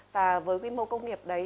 và với quy mô công nghiệp đấy